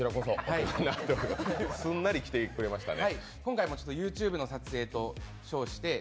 すんなり来てくれましたね。